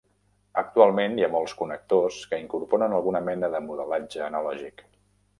Actualment, hi ha molts connectors que incorporen alguna mena de modelatge analògic.